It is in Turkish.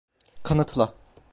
Kanıtla.